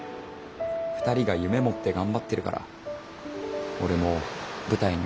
２人が夢持って頑張ってるから俺も舞台に戻れたんです。